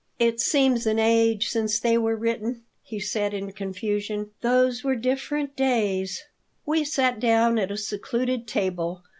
"It seems an age since they were written," he said, in confusion. "Those were different days." We sat down at a secluded table.